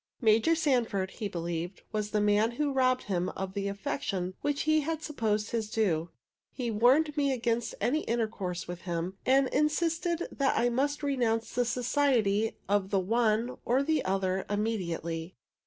Major Sanford, he believed, was the man who robbed him of the affection which he had supposed his due. He warned me against any intercourse with him, and insisted that I must renounce the society of the one or the other immediately.